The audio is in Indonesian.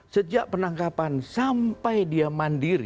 sejak penangkapan sampai dia mandiri